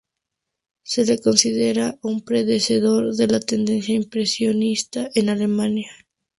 Se le considera un predecesor de la tendencia impresionista en Alemania.